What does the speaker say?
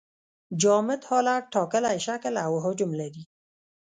جامد حالت ټاکلی شکل او حجم لري.